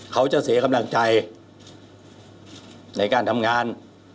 เขาจะเสียกำลังใจในการทำงาน